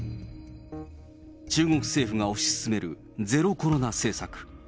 中国政府が推し進めるゼロコロナ政策。